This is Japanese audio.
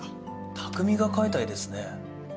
拓三が描いた絵ですね。